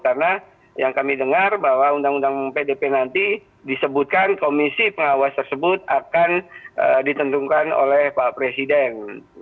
karena yang kami dengar bahwa undang undang pdp nanti disebutkan komisi pengawas tersebut akan ditentukan oleh pak presiden